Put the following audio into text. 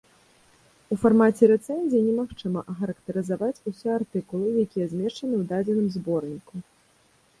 У фармаце рэцэнзіі немагчыма ахарактарызаваць усе артыкулы, якія змешчаны ў дадзеным зборніку.